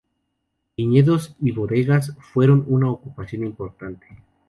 Viñedos y bodegas fueron una ocupación importante.